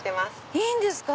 いいんですか⁉